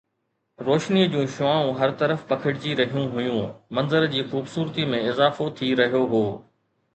روشنيءَ جون شعاعون هر طرف پکڙجي رهيون هيون، منظر جي خوبصورتي ۾ اضافو ٿي رهيو هو